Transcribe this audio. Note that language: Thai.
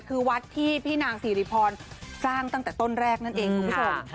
คือวัดที่พี่นางสิริพรสร้างตั้งแต่ต้นแรกนั่นเองคุณผู้ชม